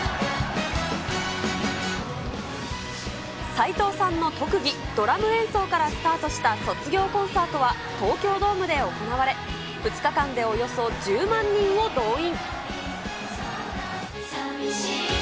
齋藤さんの特技、ドラム演奏からスタートした卒業コンサートは、東京ドームで行われ、２日間でおよそ１０万人を動員。